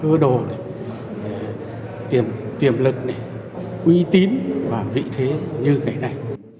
chưa bao giờ đất nước mình có được tiềm lực uy tín và vị thế như cái này